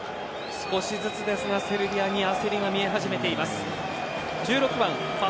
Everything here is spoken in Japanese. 少しずつですが、セルビアに焦りが見え始めています。